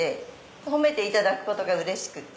褒めていただくことがうれしくて。